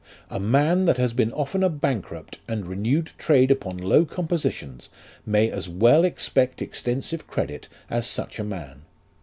A man that has been often a bankrupt, and renewed trade upon low compositions, may as well expect extensive credit as such a man.